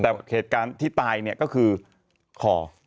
แต่เขตกันที่ตายก็คือขอ